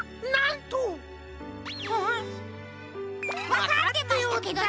わかってましたけどね！